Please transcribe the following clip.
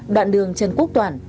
đoạn đường trần quốc toản